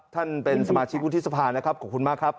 ท่านเป็นสมาชิกวุฒิสภานะครับขอบคุณมากครับ